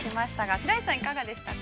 白石さん、いかがでしたか。